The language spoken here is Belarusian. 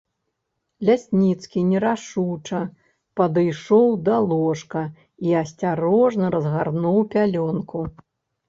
Лясніцкі нерашуча падышоў да ложка і асцярожна разгарнуў пялёнку.